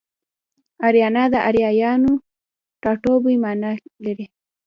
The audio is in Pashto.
اریانا د اریایانو ټاټوبی مانا لري